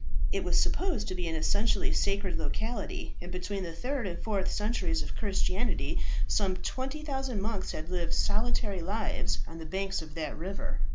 It was supposed to be an essentially sacred locality, and between the third and fourth centuries of Christianity some 20,000 monks had lived solitary lives on the banks of that river.